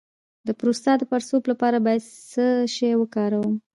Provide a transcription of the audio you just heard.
د پروستات د پړسوب لپاره باید څه شی وکاروم؟